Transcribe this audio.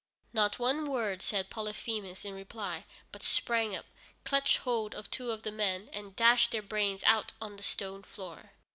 Not one word said Polyphemus in reply, but sprang up, clutched hold of two of the men, and dashed their brains out on the stone floor.